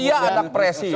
di india ada presiden